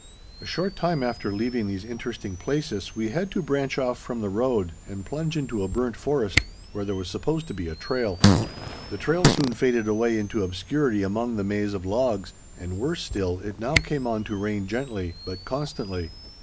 A short time after leaving these interesting places, we had to branch off from the road, and plunge into a burnt forest, where there was supposed to be a trail. The trail soon faded away into obscurity among the maze of logs, and, worse still, it now came on to rain gently but constantly.